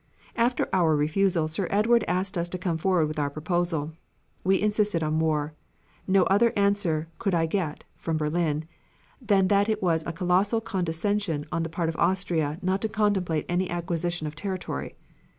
After our refusal Sir Edward asked us to come forward with our proposal. We insisted on war. No other answer could I get (from Berlin) than that it was a colossal condescension on the part of Austria not to contemplate any acquisition of territory.